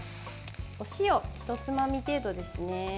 お塩、ひとつまみ程度ですね。